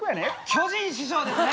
巨人師匠ですね